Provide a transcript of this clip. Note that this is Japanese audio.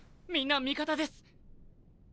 みんな味方です。